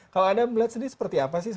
kalau anda melihat sendiri seperti apa sih